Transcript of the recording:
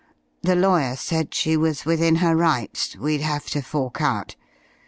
The lawyer said she was within her rights, we'd have to fork out.